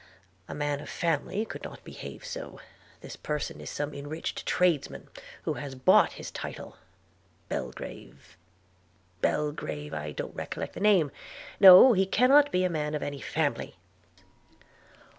A man of family could not behave so. This person is some enriched tradesman, who has bought his title. Belgrave! – Belgrave! – I don't recollect the name. No; he cannot be a man of any family.'